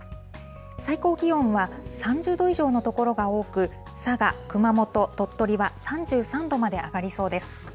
最高気温は３０度以上の所が多く、佐賀、熊本、鳥取は３３度まで上がりそうです。